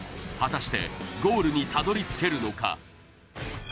果たしてゴールにたどりつけるのか？